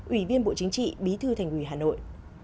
ủy viên bộ chính trị bí thư thành ủy hà nội